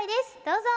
どうぞ。